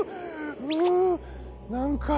ううなんか